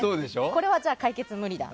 これはじゃあ解決無理だ。